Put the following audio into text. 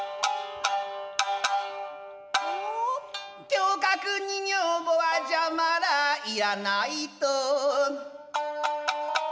「侠客に女房は邪魔だいらないと」